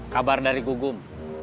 kabar dari gugum